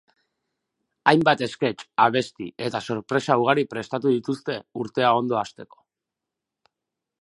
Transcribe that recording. Hainbat esketx, abesti eta sorpresa ugari prestatu dituzte urtea ondo hasteko.